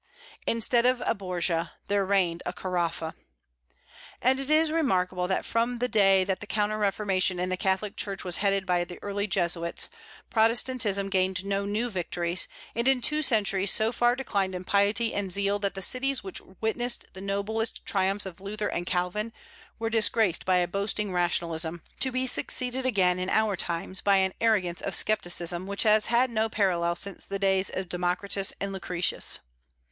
Instead of a Borgia there reigned a Caraffa." And it is remarkable that from the day that the counter reformation in the Catholic Church was headed by the early Jesuits, Protestantism gained no new victories, and in two centuries so far declined in piety and zeal that the cities which witnessed the noblest triumphs of Luther and Calvin were disgraced by a boasting rationalism, to be succeeded again in our times by an arrogance of scepticism which has had no parallel since the days of Democritus and Lucretius.